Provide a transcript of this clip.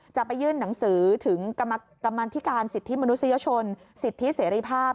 จะไปยื่นหนังสือถึงกรรมธิการสิทธิมนุษยชนสิทธิเสรีภาพ